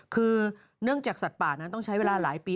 คือเนื่องจากสัตว์ป่านั้นต้องใช้เวลาหลายปี